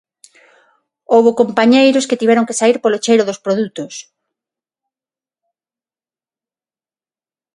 Houbo compañeiros que tiveron que saír polo cheiro dos produtos.